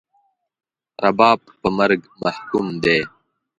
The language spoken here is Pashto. رباب په مرګ محکوم دی